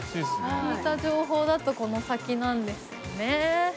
聞いた情報だとこの先なんですよね。